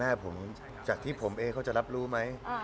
จากที่ผมเองเขาจะรับรู้ไหม